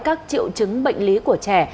các triệu chứng bệnh lý của trẻ